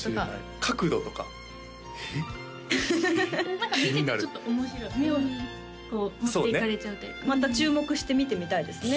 何か見ててちょっと面白い目をこう持っていかれちゃうというかまた注目して見てみたいですね